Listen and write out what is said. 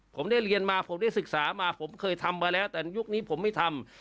ผมได้เรียนมาผมได้ศึกษามาผมเคยทำมาแล้วแต่ในยุคนี้ผมไม่ทำ